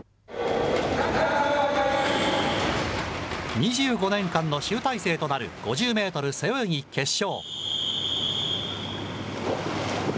２５年間の集大成となる５０メートル背泳ぎ決勝。